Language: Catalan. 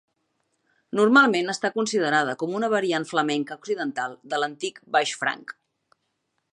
Normalment està considerada com una variant flamenca occidental de l'antic baix franc.